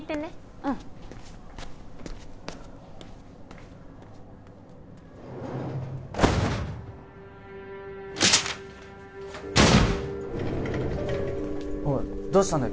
うんおいどうしたんだよ